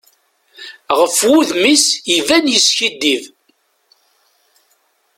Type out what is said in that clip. Ɣef wudem-is iban yeskiddib.